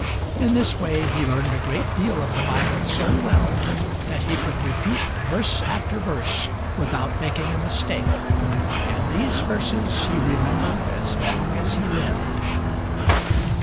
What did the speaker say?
In this way he learned a great deal of the Bible so well that he could repeat verse after verse without making a mistake; and these verses he remembered as long as he lived.